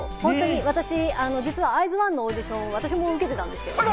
私、実はＩＺ＊ＯＮＥのオーディションを私も受けてたんですよ。